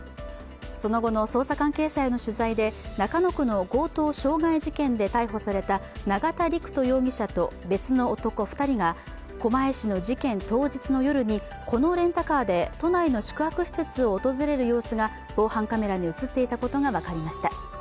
その後の捜査関係者への取材で中野区の強盗傷害事件で逮捕された永田陸人容疑者と別の男２人が狛江市の事件当日の夜に、このレンタカーで都内の宿泊施設を訪れる様子が防犯カメラに映っていたことが分かりました。